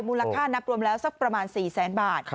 มูลค่านับรวมแล้วสักประมาณ๔แสนบาท